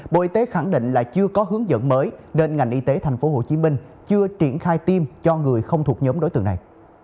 bộ y tế khẳng định là chưa có hướng dẫn mới nên ngành y tế tp hcm chưa triển khai tiêm cho người không thuộc nhóm đối tượng này